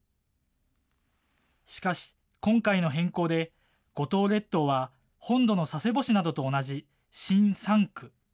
しかし、今回の変更で、五島列島は本土の佐世保市などと同じ新３区。